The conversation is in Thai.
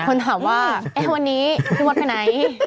คนถามว่าวันนี้พี่มดไปไหน